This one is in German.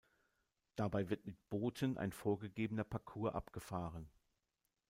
Dabei wird mit Booten ein vorgegebener Parcours abgefahren.